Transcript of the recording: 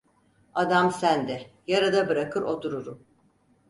Adam sen de, yarıda bırakır otururum!